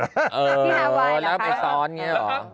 ที่ฮาวัยหรอคะเออเหรอวะ